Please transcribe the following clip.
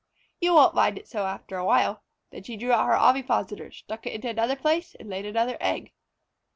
You won't mind it so after a while." Then she drew out her ovipositor, stuck it into another place, and laid another egg.